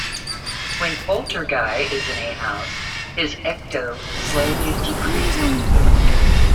When Polterguy is in a house his ecto slowly decreases.